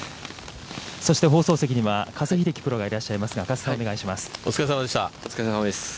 ◆そして、放送席には加瀬秀樹プロがいらっしゃいますが、加瀬さん、お願いします。